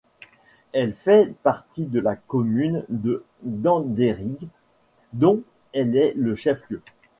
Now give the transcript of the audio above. Elle fait partie de la commune de Danderyd dont elle est le chef-lieu.